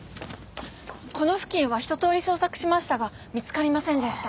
この付近はひと通り捜索しましたが見つかりませんでした。